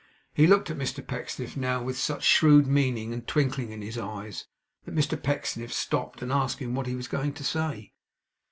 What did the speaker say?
He looked at Mr Pecksniff now with such shrewd meaning twinkling in his eyes, that Mr Pecksniff stopped, and asked him what he was going to say.